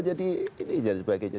jadi ini dan sebagainya